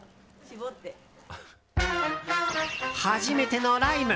初めてのライム。